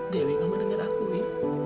dewi kamu dengar aku wi